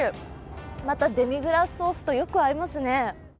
またデミグラスソースとよく合いますね。